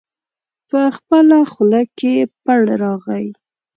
په خپله خوله کې پړ راغی.